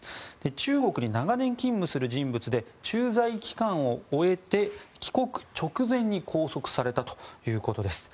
中国に長年勤務する人物で駐在期間を終えて帰国直前に拘束されたということです。